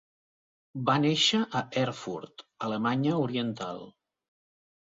Va néixer a Erfurt, Alemanya Oriental.